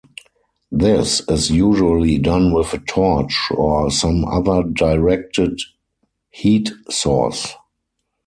This is usually done with a torch or some other directed heat source.